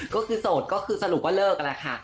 ก็คือโสดก็คือสรุปว่าเลิกนั่นแหละค่ะ